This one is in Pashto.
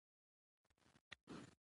دا جملې زما لخوا تاسو ته ډالۍ.